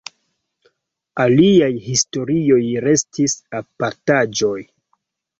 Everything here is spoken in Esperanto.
Aliaj historioj restis apartaĵoj.